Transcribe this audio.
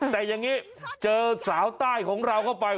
แต่อย่างนี้เจอสาวใต้ของเราเข้าไป